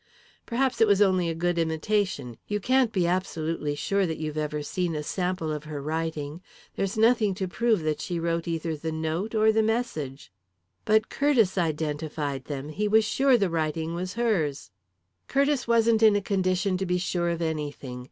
"Perhaps it was only a good imitation you can't be absolutely sure that you've ever seen a sample of her writing. There's nothing to prove that she wrote either the note or the message." "But Curtiss identified them he was sure the writing was hers." "Curtiss wasn't in a condition to be sure of anything.